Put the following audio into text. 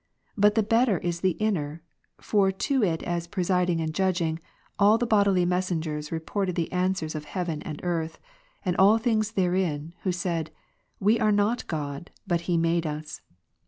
But the better is the inner, for to it as presiding and judging, all the bodily messengers reported the answers of heaven and earth, and all things therein, Avho said, " We are not God, but He made us."